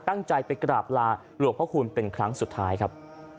ตั้งใจไปกราบลาหลวงพระคุณเป็นครั้งสุดท้ายครับ